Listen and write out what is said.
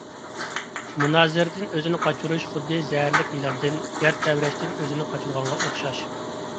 مۇنازىرىدىن ئۆزىنى قاچۇرۇش خۇددى زەھەرلىك يىلاندىن، يەر تەۋرەشتىن ئۆزىنى قاچۇرغانغا ئوخشاش.